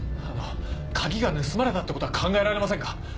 あの鍵が盗まれたってことは考えられませんか？